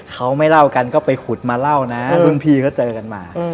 เขาไม่เล่ากันก็ไปขุดมาเล่านะรุ่นพี่ก็เจอกันมา